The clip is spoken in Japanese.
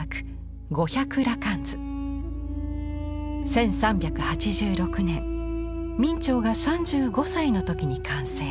１３８６年明兆が３５歳の時に完成。